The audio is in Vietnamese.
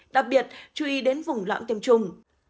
đặc biệt chú ý đến vùng loãng tiêm chủng